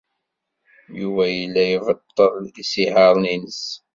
Yuba yella ibeṭṭel isihaṛen-nnes.